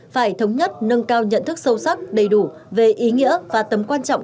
phải thống nhất nâng cao nhận thức sâu sắc đầy đủ về ý nghĩa và tấm quan trọng